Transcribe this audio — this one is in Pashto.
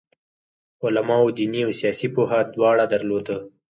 علماوو دیني او سیاسي پوهه دواړه درلوده.